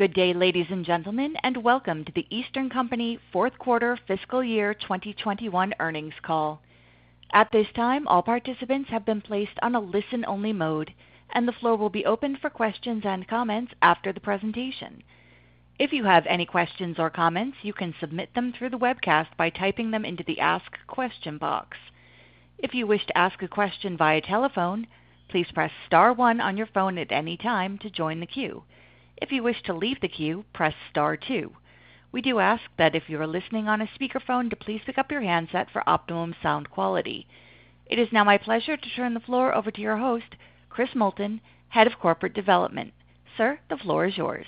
Good day, ladies and gentlemen, and welcome to The Eastern Company fourth quarter fiscal year 2021 earnings call. At this time, all participants have been placed on a listen-only mode, and the floor will be opened for questions and comments after the presentation. If you have any questions or comments, you can submit them through the webcast by typing them into the ask question box. If you wish to ask a question via telephone, please press star one on your phone at any time to join the queue. If you wish to leave the queue, press star two. We do ask that if you are listening on a speakerphone to please pick up your handset for optimum sound quality. It is now my pleasure to turn the floor over to your host, Christopher Moulton, Head of Corporate Development. Sir, the floor is yours.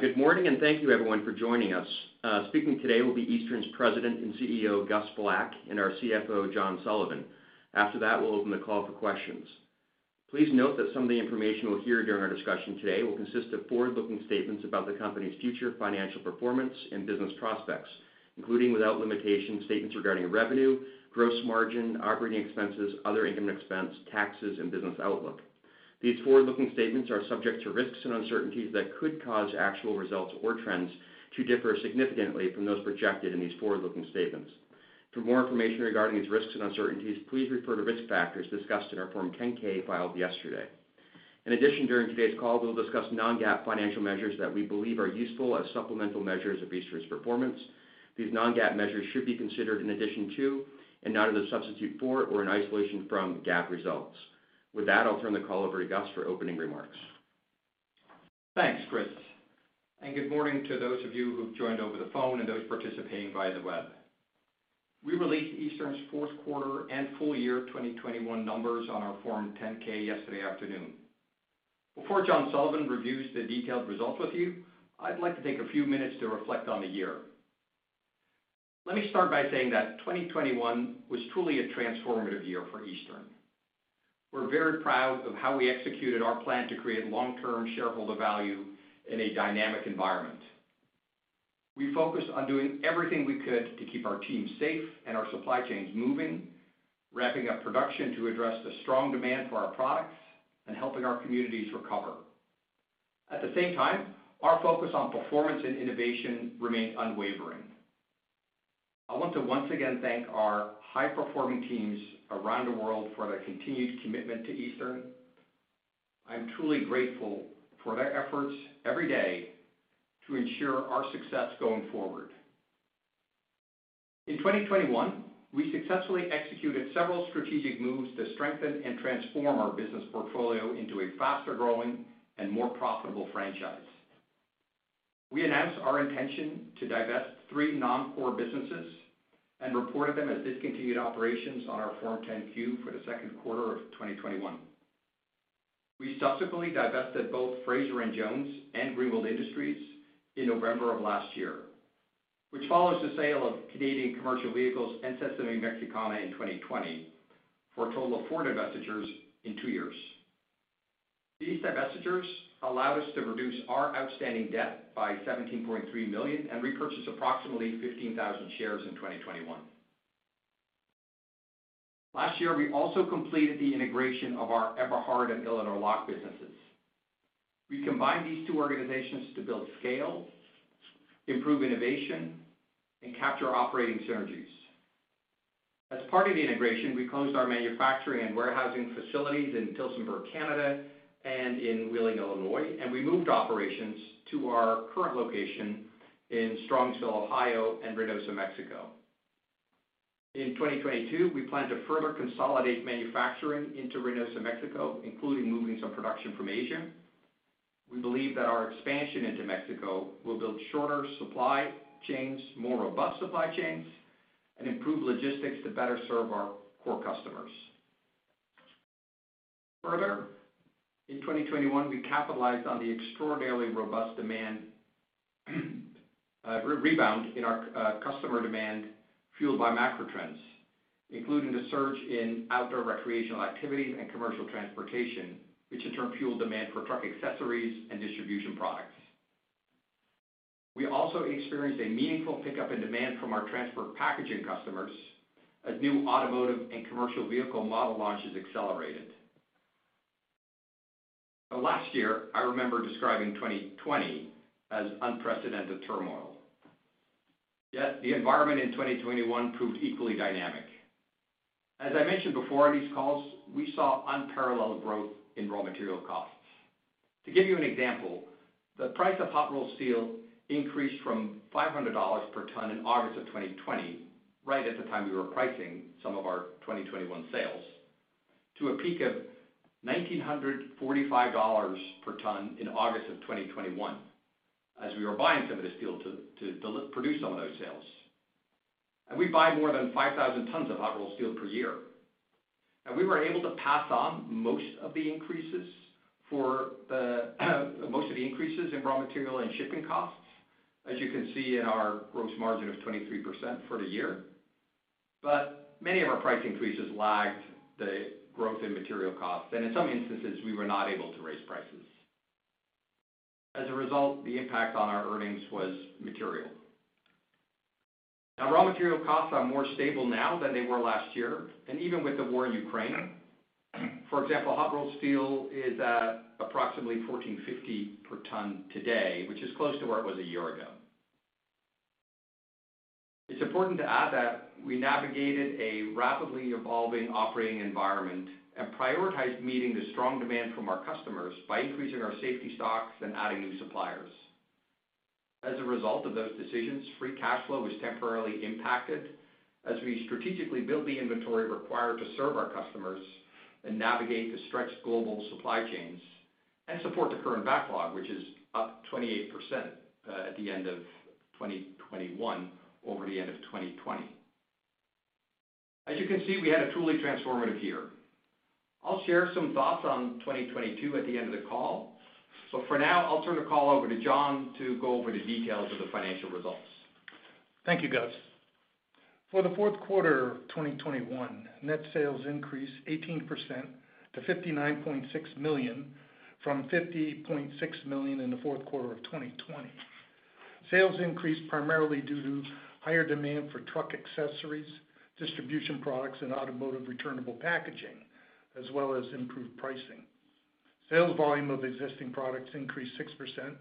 Good morning, thank you everyone for joining us. Speaking today will be Eastern's President and CEO, Gus Vlak; and our CFO, John Sullivan. After that, we'll open the call for questions. Please note that some of the information you will hear during our discussion today will consist of forward-looking statements about the company's future financial performance and business prospects, including without limitation, statements regarding revenue, gross margin, operating expenses, other income expense, taxes, and business outlook. These forward-looking statements are subject to risks and uncertainties that could cause actual results or trends to differ significantly from those projected in these forward-looking statements. For more information regarding these risks and uncertainties, please refer to risk factors discussed in our Form 10-K filed yesterday. In addition, during today's call, we'll discuss non-GAAP financial measures that we believe are useful as supplemental measures of Eastern's performance. These non-GAAP measures should be considered in addition to, and not as a substitute for or in isolation from GAAP results. With that, I'll turn the call over to Gus for opening remarks. Thanks, Chris, and good morning to those of you who've joined over the phone and those participating via the web. We released Eastern's fourth quarter and full year 2021 numbers on our Form 10-K yesterday afternoon. Before John Sullivan reviews the detailed results with you, I'd like to take a few minutes to reflect on the year. Let me start by saying that 2021 was truly a transformative year for Eastern. We're very proud of how we executed our plan to create long-term shareholder value in a dynamic environment. We focused on doing everything we could to keep our team safe and our supply chains moving, ramping up production to address the strong demand for our products and helping our communities recover. At the same time, our focus on performance and innovation remained unwavering. I want to once again thank our high-performing teams around the world for their continued commitment to Eastern. I'm truly grateful for their efforts every day to ensure our success going forward. In 2021, we successfully executed several strategic moves to strengthen and transform our business portfolio into a faster-growing and more profitable franchise. We announced our intention to divest three non-core businesses and reported them as discontinued operations on our Form 10-Q for the second quarter of 2021. We subsequently divested both Frazer & Jones and Greenwald Industries in November of last year, which follows the sale of Canadian Commercial Vehicles and SESAMEE Mexicana in 2020, for a total of four divestitures in two years. These divestitures allowed us to reduce our outstanding debt by $17.3 million and repurchase approximately 15,000 shares in 2021. Last year, we also completed the integration of our Eberhard and Illinois Lock businesses. We combined these two organizations to build scale, improve innovation, and capture operating synergies. As part of the integration, we closed our manufacturing and warehousing facilities in Tillsonburg, Canada and in Wheeling, Illinois, and we moved operations to our current location in Strongsville, Ohio and Reynosa, Mexico. In 2022, we plan to further consolidate manufacturing into Reynosa, Mexico, including moving some production from Asia. We believe that our expansion into Mexico will build shorter supply chains, more robust supply chains, and improve logistics to better serve our core customers. Further, in 2021, we capitalized on the extraordinarily robust demand, rebound in our customer demand fueled by macro trends, including the surge in outdoor recreational activities and commercial transportation, which in turn fueled demand for truck accessories and distribution products. We also experienced a meaningful pickup in demand from our transport packaging customers as new automotive and commercial vehicle model launches accelerated. Now last year, I remember describing 2020 as unprecedented turmoil. Yet, the environment in 2021 proved equally dynamic. As I mentioned before on these calls, we saw unparalleled growth in raw material costs. To give you an example, the price of hot-rolled steel increased from $500 per ton in August of 2020, right at the time we were pricing some of our 2021 sales, to a peak of $1,945 per ton in August of 2021 as we were buying some of this steel to produce some of those sales. We buy more than 5,000 tons of hot-rolled steel per year. We were able to pass on most of the increases for the most of the increases in raw material and shipping costs, as you can see in our gross margin of 23% for the year. Many of our price increases lagged the growth in material costs, and in some instances we were not able to raise prices. As a result, the impact on our earnings was material. Raw material costs are more stable now than they were last year, and even with the war in Ukraine. For example, hot rolled steel is at approximately $1,450 per ton today, which is close to where it was a year ago. It's important to add that we navigated a rapidly evolving operating environment and prioritized meeting the strong demand from our customers by increasing our safety stocks and adding new suppliers. As a result of those decisions, free cash flow was temporarily impacted as we strategically built the inventory required to serve our customers and navigate the stretched global supply chains and support the current backlog, which is up 28% at the end of 2021 over the end of 2020. As you can see, we had a truly transformative year. I'll share some thoughts on 2022 at the end of the call. For now, I'll turn the call over to John to go over the details of the financial results. Thank you, Gus. For the fourth quarter of 2021, net sales increased 18% to $59.6 million, from $50.6 million in the fourth quarter of 2020. Sales increased primarily due to higher demand for truck accessories, distribution products, and automotive returnable packaging, as well as improved pricing. Sales volume of existing products increased 6%,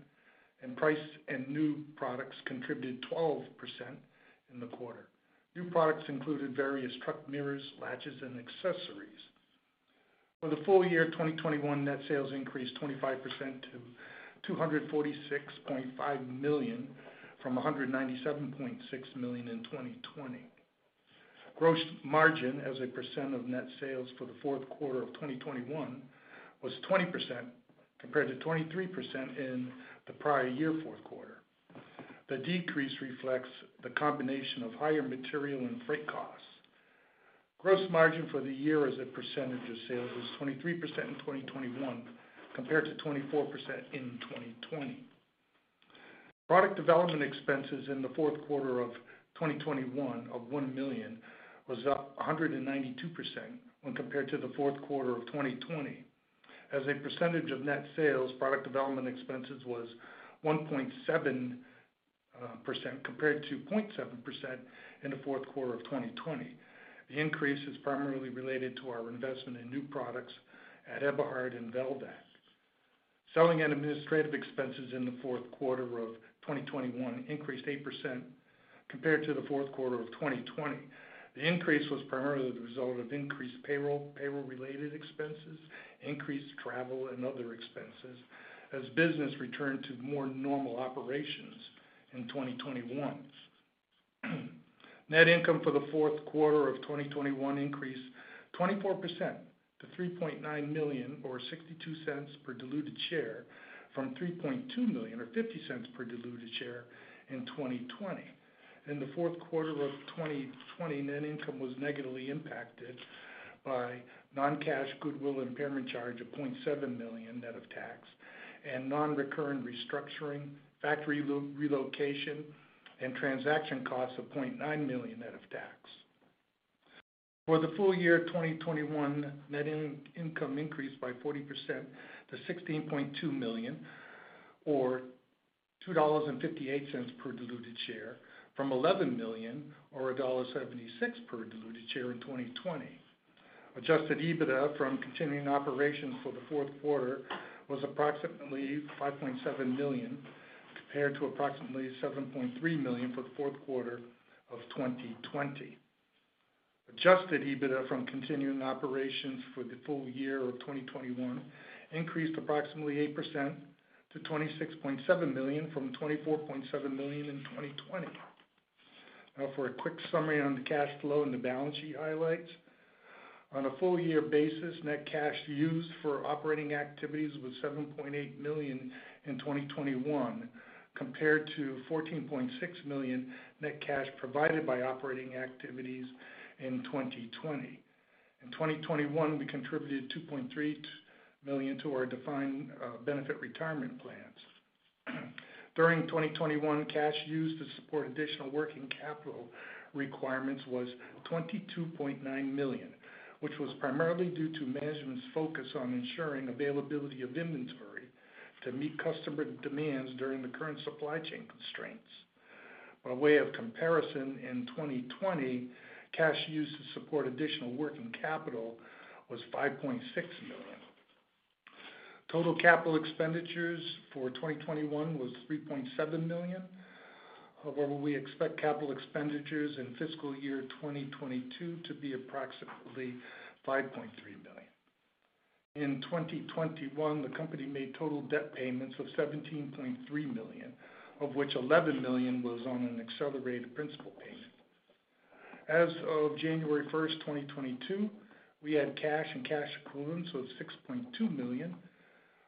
and price and new products contributed 12% in the quarter. New products included various truck mirrors, latches, and accessories. For the full year of 2021, net sales increased 25% to $246.5 million, from $197.6 million in 2020. Gross margin as a percent of net sales for the fourth quarter of 2021 was 20% compared to 23% in the prior year fourth quarter. The decrease reflects the combination of higher material and freight costs. Gross margin for the year as a percentage of sales was 23% in 2021 compared to 24% in 2020. Product development expenses in the fourth quarter of 2021 of $1 million was up 192% when compared to the fourth quarter of 2020. As a percentage of net sales, product development expenses was 1.7% compared to 0.7% in the fourth quarter of 2020. The increase is primarily related to our investment in new products at Eberhard and Velvac. Selling and administrative expenses in the fourth quarter of 2021 increased 8% compared to the fourth quarter of 2020. The increase was primarily the result of increased payroll-related expenses, increased travel and other expenses as business returned to more normal operations in 2021. Net income for the fourth quarter of 2021 increased 24% to $3.9 million, or $0.62 per diluted share from $3.2 million or $0.50 per diluted share in 2020. In the fourth quarter of 2020, net income was negatively impacted by non-cash goodwill impairment charge of $0.7 million net of tax and non-recurrent restructuring, factory relocation, and transaction costs of $0.9 million net of tax. For the full year of 2021, net income increased by 40% to $16.2 million, or $2.58 per diluted share from $11 million or $1.76 per diluted share in 2020. Adjusted EBITDA from Continuing Operations for the fourth quarter was approximately $5.7 million, compared to approximately $7.3 million for the fourth quarter of 2020. Adjusted EBITDA from Continuing Operations for the full year of 2021 increased approximately 8% to $26.7 million from $24.7 million in 2020. Now for a quick summary on the cash flow and the balance sheet highlights. On a full year basis, net cash used for operating activities was $7.8 million in 2021, compared to $14.6 million net cash provided by operating activities in 2020. In 2021, we contributed $2.3 million to our defined benefit retirement plans. During 2021, cash used to support additional working capital requirements was $22.9 million, which was primarily due to management's focus on ensuring availability of inventory to meet customer demands during the current supply chain constraints. By way of comparison, in 2020, cash used to support additional working capital was $5.6 million. Total capital expenditures for 2021 was $3.7 million. However, we expect capital expenditures in fiscal year 2022 to be approximately $5.3 million. In 2021, the company made total debt payments of $17.3 million, of which $11 million was on an accelerated principal payment. As of January 1st, 2022, we had cash and cash equivalents of $6.2 million.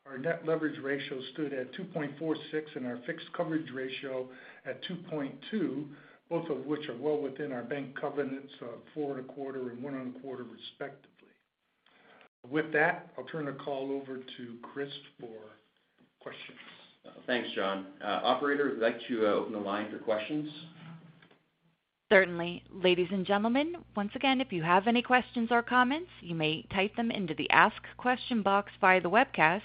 Our Net Leverage Ratio stood at 2.46, and our fixed coverage ratio at 2.2, both of which are well within our bank covenants of 4.25 and 1.25, respectively. With that, I'll turn the call over to Chris for questions. Thanks, John. Operator, I'd like to open the line for questions. Certainly. Ladies and gentlemen, once again, if you have any questions or comments, you may type them into the ask question box via the webcast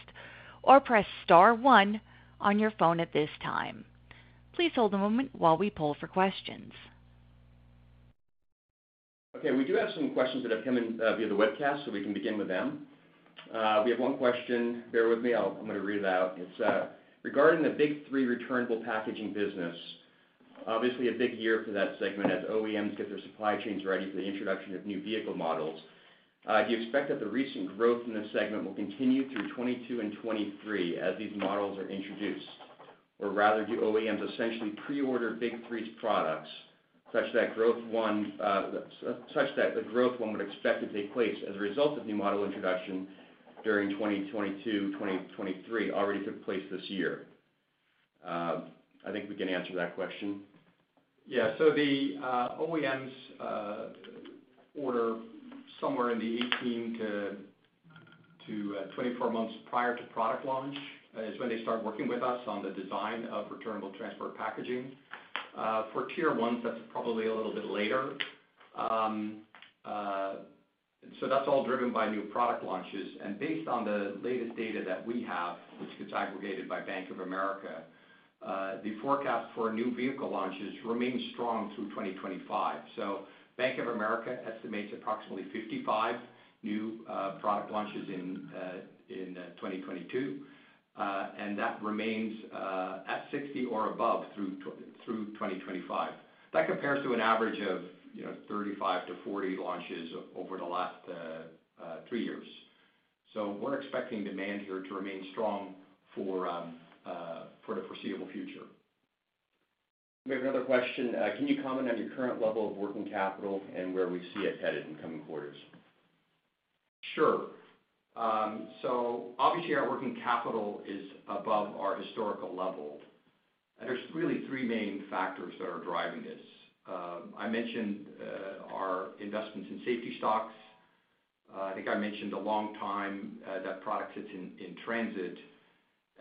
or press star one on your phone at this time. Please hold a moment while we poll for questions. Okay, we do have some questions that have come in via the webcast, so we can begin with them. We have one question. Bear with me. I'm gonna read it out. It's regarding the Big Three returnable packaging business. Obviously, a big year for that segment as OEMs get their supply chains ready for the introduction of new vehicle models. Do you expect that the recent growth in this segment will continue through 2022 and 2023 as these models are introduced? Or rather, do OEMs essentially pre-order Big Three products such that the growth one would expect to take place as a result of new model introduction during 2022, 2023 already took place this year? I think we can answer that question. Yeah. The OEMs order somewhere in the 18-24 months prior to product launch is when they start working with us on the design of returnable transport packaging. For Tier One, that's probably a little bit later. That's all driven by new product launches. Based on the latest data that we have, which gets aggregated by Bank of America, the forecast for new vehicle launches remains strong through 2025. Bank of America estimates approximately 55 new product launches in 2022, and that remains at 60 or above through 2025. That compares to an average of, you know, 35-40 launches over the last three years. We're expecting demand here to remain strong for the foreseeable future. We have another question. Can you comment on your current level of working capital and where we see it headed in coming quarters? Sure. Obviously, our working capital is above our historical level. There's really three main factors that are driving this. I mentioned our investments in safety stocks. I think I mentioned a longer time that product sits in transit.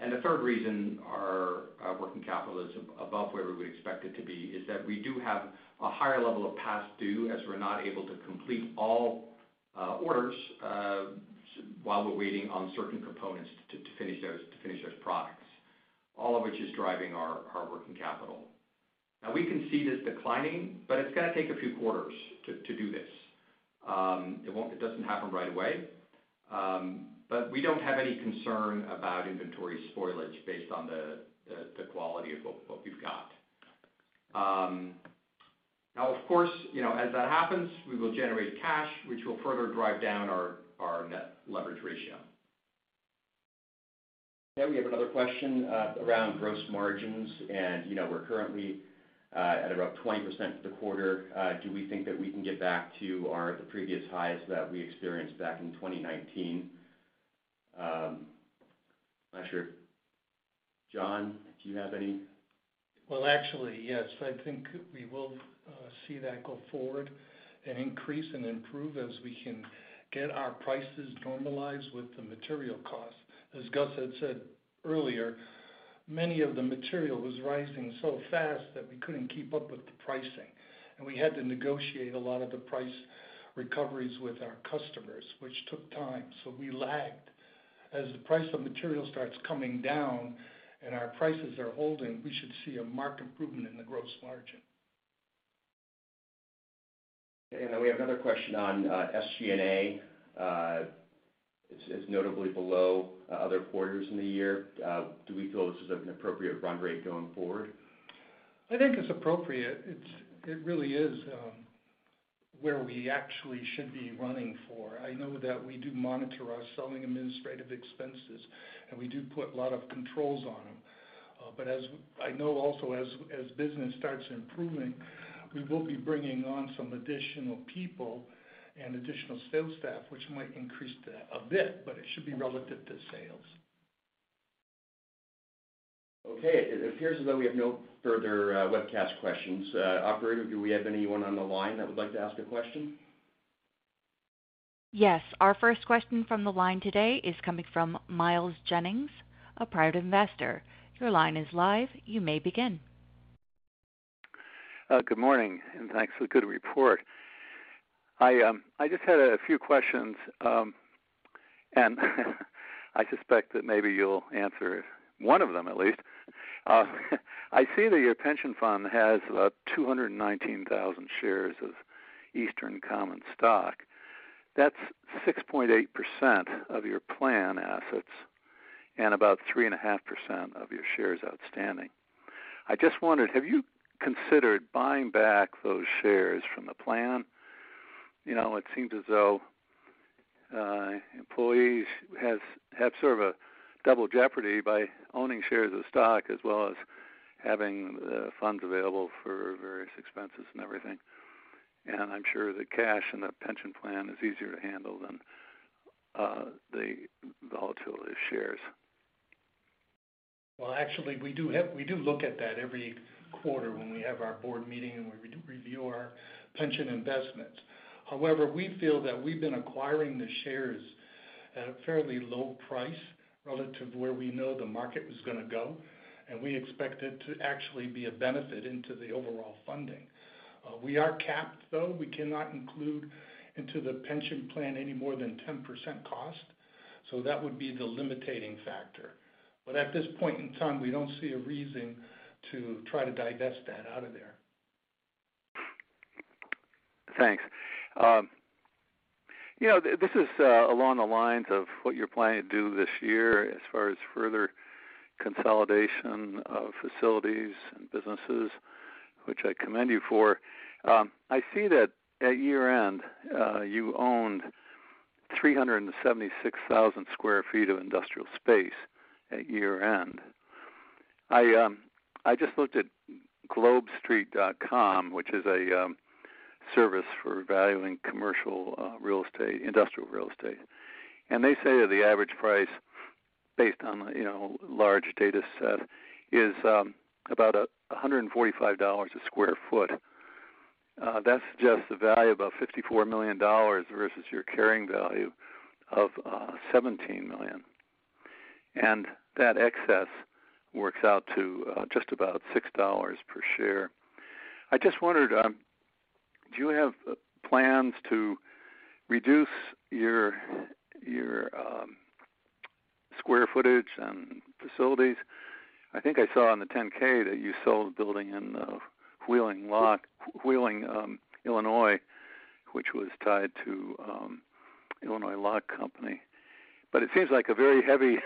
The third reason our working capital is above where we would expect it to be is that we do have a higher level of past due, as we're not able to complete all orders while we're waiting on certain components to finish those products, all of which is driving our working capital. Now, we can see this declining, but it's gonna take a few quarters to do this. It doesn't happen right away. We don't have any concern about inventory spoilage based on the quality of what we've got. Now of course, you know, as that happens, we will generate cash, which will further drive down our net leverage ratio. Yeah. We have another question around gross margins. You know, we're currently at about 20% for the quarter. Do we think that we can get back to our previous highs that we experienced back in 2019? I'm not sure. John, do you have any? Well, actually, yes. I think we will see that go forward and increase and improve as we can get our prices normalized with the material costs. As Gus had said earlier, many of the material was rising so fast that we couldn't keep up with the pricing, and we had to negotiate a lot of the price recoveries with our customers, which took time. We lagged. As the price of material starts coming down and our prices are holding, we should see a marked improvement in the gross margin. Okay. We have another question on SG&A. It's notably below other quarters in the year. Do we feel this is an appropriate run rate going forward? I think it's appropriate. It really is where we actually should be running for. I know that we do monitor our selling administrative expenses, and we do put a lot of controls on them. I also know as business starts improving, we will be bringing on some additional people and additional sales staff, which might increase that a bit, but it should be relative to sales. Okay. It appears as though we have no further webcast questions. Operator, do we have anyone on the line that would like to ask a question? Yes. Our first question from the line today is coming from Miles Jennings, a private investor. Your line is live. You may begin. Good morning, and thanks for the good report. I just had a few questions. I suspect that maybe you'll answer one of them at least. I see that your pension fund has about 219,000 shares of Eastern common stock. That's 6.8% of your plan assets and about 3.5% of your shares outstanding. I just wondered, have you considered buying back those shares from the plan? You know, it seems as though employees have sort of a double jeopardy by owning shares of stock as well as having the funds available for various expenses and everything. I'm sure the cash in the pension plan is easier to handle than the volatility of shares. Well, actually, we do look at that every quarter when we have our board meeting and we re-review our pension investments. However, we feel that we've been acquiring the shares at a fairly low price relative to where we know the market was gonna go, and we expect it to actually be a benefit into the overall funding. We are capped, though. We cannot include into the pension plan any more than 10% cost, so that would be the limiting factor. At this point in time, we don't see a reason to try to divest that out of there. Thanks. You know, this is along the lines of what you're planning to do this year as far as further consolidation of facilities and businesses, which I commend you for. I see that at year-end, you owned 376,000 sq ft of industrial space at year-end. I just looked at GlobeSt.com, which is a service for valuing commercial real estate, industrial real estate. They say that the average price based on, you know, large data set is about $145/sq ft. That suggests a value of about $54 million versus your carrying value of $17 million. That excess works out to just about $6 per share. I just wondered, do you have plans to reduce your square footage and facilities? I think I saw in the 10-K that you sold a building in Wheeling, Illinois, which was tied to Illinois Lock Company. It seems like a very heavy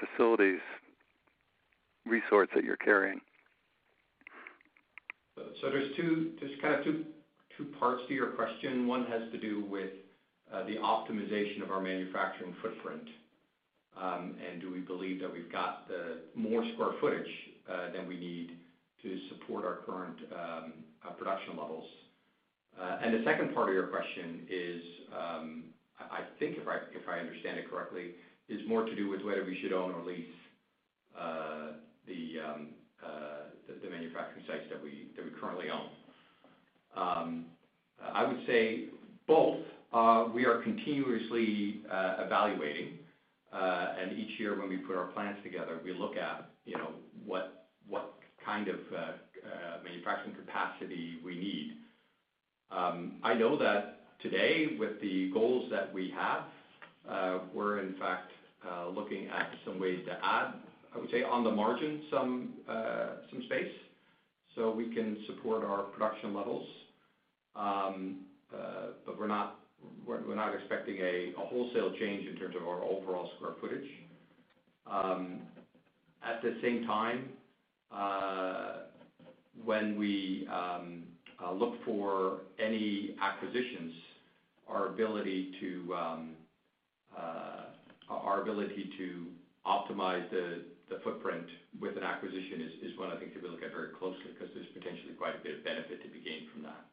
facilities resource that you're carrying. There's kind of two parts to your question. One has to do with the optimization of our manufacturing footprint, and do we believe that we've got more square footage than we need to support our current production levels. The second part of your question is, I think if I understand it correctly, more to do with whether we should own or lease the manufacturing sites that we currently own. I would say both. We are continuously evaluating. Each year when we put our plans together, we look at, you know, what kind of manufacturing capacity we need. I know that today with the goals that we have, we're in fact looking at some ways to add, I would say, on the margin some space so we can support our production levels. We're not expecting a wholesale change in terms of our overall square footage. At the same time, when we look for any acquisitions, our ability to optimize the footprint with an acquisition is one I think that we look at very closely because there's potentially quite a bit of benefit to be gained from that.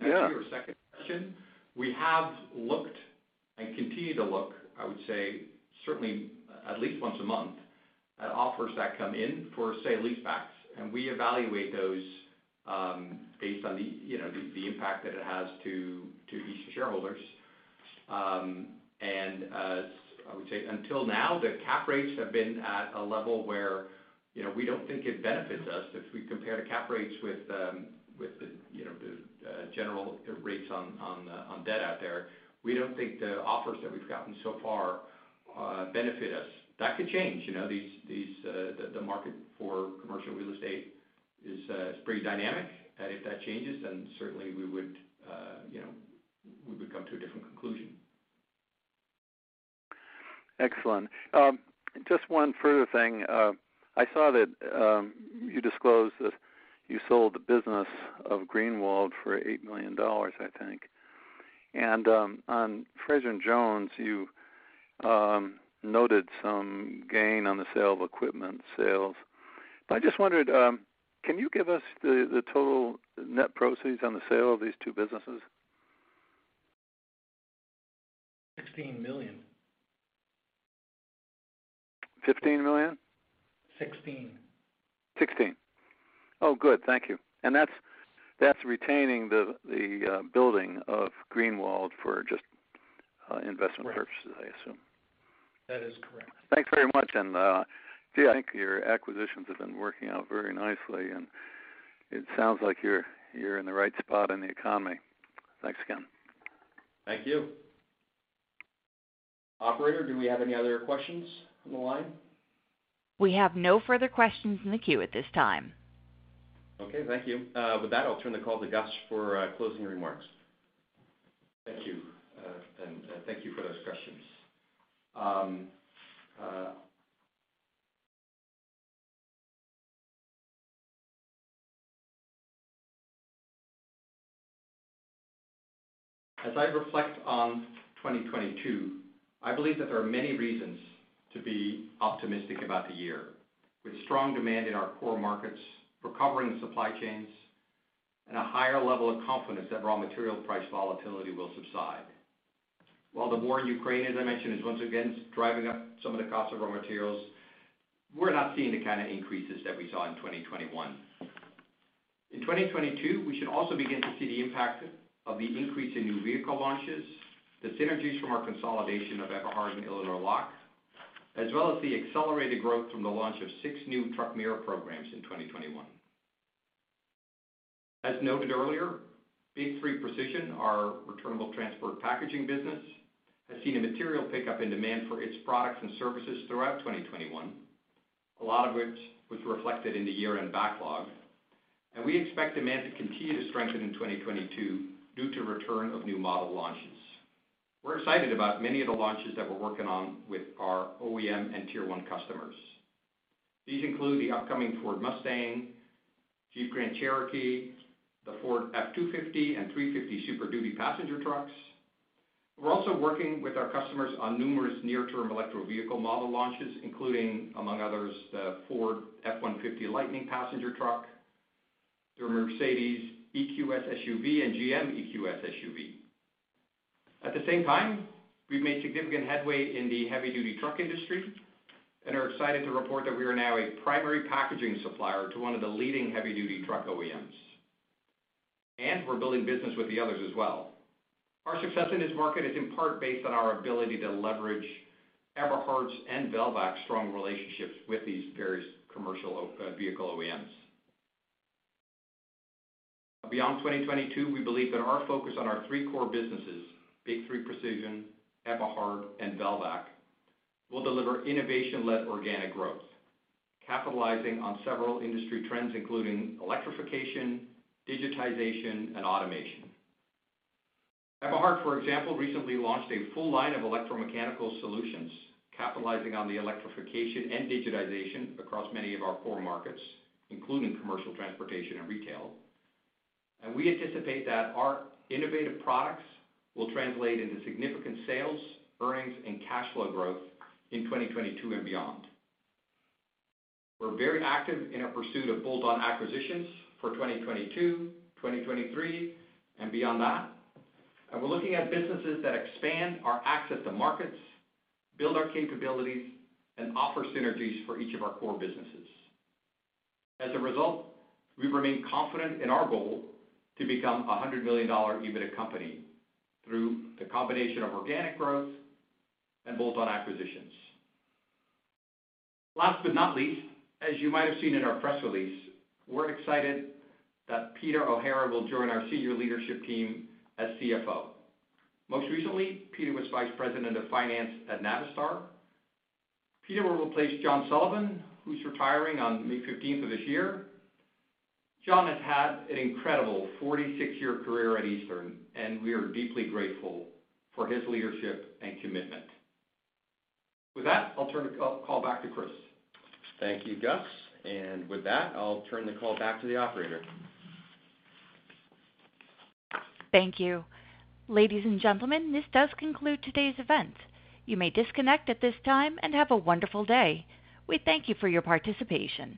Yeah. Now to your second question, we have looked and continue to look. I would say certainly at least once a month at offers that come in for, say, lease backs. We evaluate those based on, you know, the impact that it has to each shareholder. As I would say, until now, the cap rates have been at a level where, you know, we don't think it benefits us if we compare the cap rates with, you know, the general rates on debt out there. We don't think the offers that we've gotten so far benefit us. That could change. You know, the market for commercial real estate is pretty dynamic. If that changes, then certainly we would, you know, come to a different conclusion. Excellent. Just one further thing. I saw that you disclosed that you sold the business of Greenwald for $8 million, I think. On Frazer & Jones, you noted some gain on the sale of equipment sales. I just wondered, can you give us the total net proceeds on the sale of these two businesses? $16 million. $15 million? $16 million. 16. Oh, good. Thank you. That's retaining the building of Greenwald for just investment purposes. Right. I assume. That is correct. Thanks very much. Great, I think your acquisitions have been working out very nicely, and it sounds like you're in the right spot in the economy. Thanks again. Thank you. Operator, do we have any other questions on the line? We have no further questions in the queue at this time. Okay. Thank you. With that, I'll turn the call to Gus for closing remarks. Thank you. Thank you for those questions. As I reflect on 2022, I believe that there are many reasons to be optimistic about the year with strong demand in our core markets, recovering supply chains, and a higher level of confidence that raw material price volatility will subside. While the war in Ukraine, as I mentioned, is once again driving up some of the costs of raw materials, we're not seeing the kind of increases that we saw in 2021. In 2022, we should also begin to see the impact of the increase in new vehicle launches, the synergies from our consolidation of Eberhard and Illinois Lock, as well as the accelerated growth from the launch of six new truck mirror programs in 2021. As noted earlier, Big Three Precision, our returnable transport packaging business, has seen a material pickup in demand for its products and services throughout 2021, a lot of which was reflected in the year-end backlog. We expect demand to continue to strengthen in 2022 due to return of new model launches. We're excited about many of the launches that we're working on with our OEM and Tier One customers. These include the upcoming Ford Mustang, Jeep Grand Cherokee, the Ford F-250 and F-350 Super Duty passenger trucks. We're also working with our customers on numerous near-term electric vehicle model launches, including, among others, the Ford F-150 Lightning passenger truck, the Mercedes EQS SUV, and the GM EV SUV. At the same time, we've made significant headway in the heavy-duty truck industry and are excited to report that we are now a primary packaging supplier to one of the leading heavy-duty truck OEMs, and we're building business with the others as well. Our success in this market is in part based on our ability to leverage Eberhard's and Velvac's strong relationships with these various commercial vehicle OEMs. Beyond 2022, we believe that our focus on our three core businesses, Big Three Precision, Eberhard, and Velvac, will deliver innovation-led organic growth, capitalizing on several industry trends, including electrification, digitization, and automation. Eberhard, for example, recently launched a full line of electromechanical solutions capitalizing on the electrification and digitization across many of our core markets, including commercial transportation and retail. We anticipate that our innovative products will translate into significant sales, earnings, and cash flow growth in 2022 and beyond. We're very active in our pursuit of bolt-on acquisitions for 2022, 2023, and beyond that, and we're looking at businesses that expand our access to markets, build our capabilities, and offer synergies for each of our core businesses. As a result, we remain confident in our goal to become a $100 million EBITDA company through the combination of organic growth and bolt-on acquisitions. Last but not least, as you might have seen in our press release, we're excited that Peter O'Hara will join our senior leadership team as CFO. Most recently, Peter was vice president of finance at Navistar. Peter will replace John Sullivan, who's retiring on May 15 of this year. John has had an incredible 46-year career at Eastern, and we are deeply grateful for his leadership and commitment. I'll turn the call back to Chris. Thank you, Gus. With that, I'll turn the call back to the operator. Thank you. Ladies and gentlemen, this does conclude today's event. You may disconnect at this time, and have a wonderful day. We thank you for your participation.